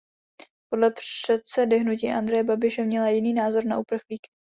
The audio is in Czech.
Podle předsedy hnutí Andreje Babiše měla jiný názor na uprchlíky.